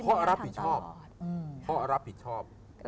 เพราะรับผิดชอบ